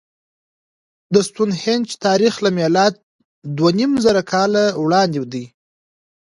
د ستونهنج تاریخ له میلاده دوهنیمزره کاله وړاندې دی.